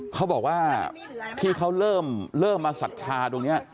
เขาบอกว่าที่เขาเริ่มมาศรัทธาตรงนี้